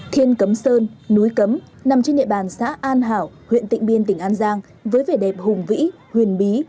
thiên cấm sơn núi cấm nằm trên địa bàn xã an hảo huyện tịnh biên tỉnh an giang với vẻ đẹp hùng vĩ huyền bí